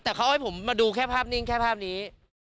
แต่เขาให้ผมมาดูแค่ภาพนิ่งแค่ภาพนี้